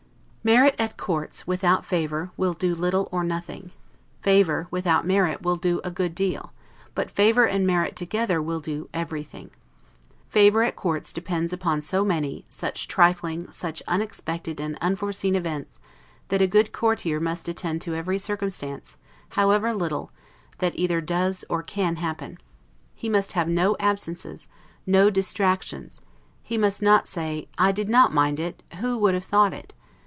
Merit at courts, without favor, will do little or nothing; favor, without merit, will do a good deal; but favor and merit together will do everything. Favor at courts depends upon so many, such trifling, such unexpected, and unforeseen events, that a good courtier must attend to every circumstance, however little, that either does, or can happen; he must have no absences, no DISTRACTIONS; he must not say, "I did not mind it; who would have thought it?"